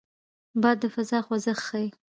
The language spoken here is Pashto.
باد د فضا خوځښت ښيي